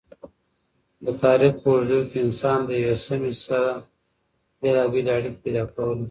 د تاریخ په اوږدو کی انسانانو د یوی سمی سره بیلابیلی اړیکی پیدا کولی